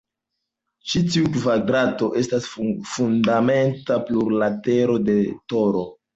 Ĉi tiu kvadrato estas fundamenta plurlatero de toro.